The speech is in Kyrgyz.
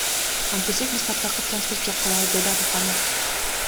Антпесек биз таптакыр транспорт жок калабыз, — деди Атыканов.